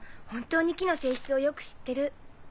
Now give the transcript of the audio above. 本当に木の性質をよく知ってる。